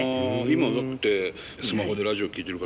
今だってスマホでラジオを聴いてる方